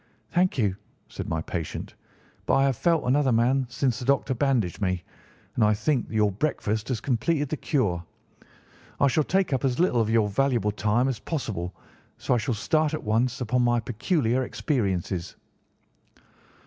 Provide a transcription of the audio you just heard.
"Thank you," said my patient, "but I have felt another man since the doctor bandaged me, and I think that your breakfast has completed the cure. I shall take up as little of your valuable time as possible, so I shall start at once upon my peculiar experiences."